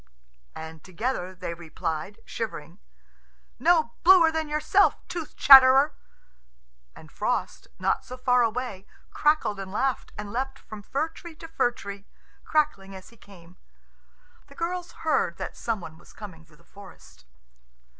And together they replied, shivering, "No bluer than yourself, tooth chatterer." And Frost, not so far away, crackled and laughed, and leapt from fir tree to fir tree, crackling as he came. The girls heard that some one was coming through the forest.